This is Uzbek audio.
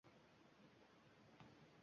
Ie, bu bola oʻzidan ketgan ekan-ku!